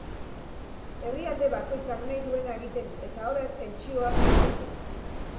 Herrialde bakoitzak nahi duena egiten du, eta horrek tentsioa sortzen du.